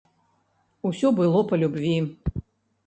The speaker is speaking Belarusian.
Усё было па любві.